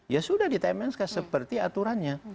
ya sudah ditemeskan seperti aturannya